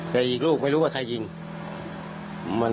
พ่อบอกว่าพ่อบอกว่า